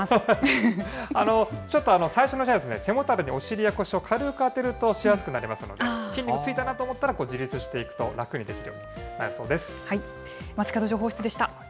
ちょっと最初、背もたれにお尻や腰を軽く当てるとしやすくなりますので、筋肉ついたなと思ったら自立していくと、楽にできるようになるそうです。